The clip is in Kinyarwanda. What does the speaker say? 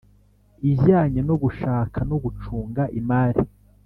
ijyanye no gushaka no gucunga imari